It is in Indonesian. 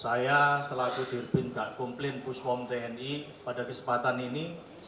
saya selaku dirbin gak kumplin puspom tni pada kesempatan ini